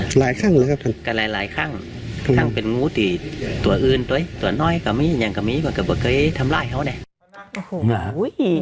หลายครั้งเหรอครับครั้งเป็นหูตัวอื่นตัวน้อยเนี่ยมีกว่าผมเคยทำลายเขาเนี่ย